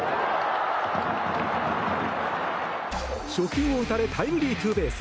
初球を打たれタイムリーツーベース。